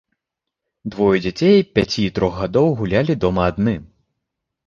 Двое дзяцей пяці і трох гадоў гулялі дома адны.